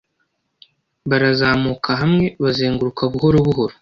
Barazamuka hamwe, bazenguruka buhoro buhoro.